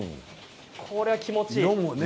これは気持ちがいい。